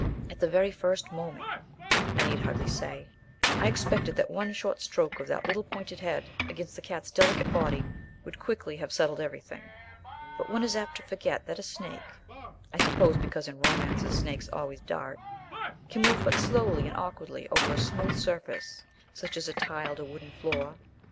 At the very first moment, I need hardly say, I expected that one short stroke of that little pointed head against the cat's delicate body would quickly have settled everything. But one is apt to forget that a snake (I suppose because in romances snakes always "dart") can move but slowly and awkwardly over a smooth surface, such as a tiled or wooden floor.